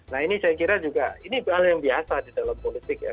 nah ini saya kira juga ini hal yang biasa di dalam politik ya